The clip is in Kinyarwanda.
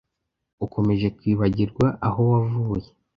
ukomeje kwibagirwa aho wavuye